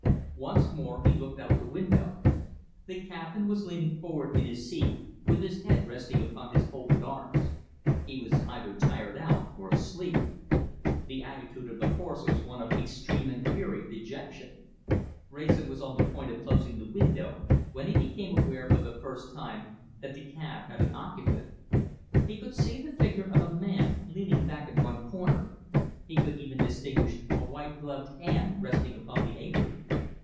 Once more he looked out of the window. The cabman was leaning forward in his seat with his head resting upon his folded arms. He was either tired out or asleep. The attitude of the horse was one of extreme and wearied dejection. Wrayson was on the point of closing the window when he became aware for the first time that the cab had an occupant. He could see the figure of a man leaning back in one corner, he could even distinguish a white gloved hand resting upon the apron.